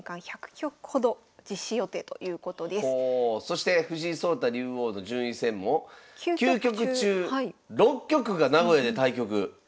そして藤井聡太竜王の順位戦も９局中６局が名古屋で対局。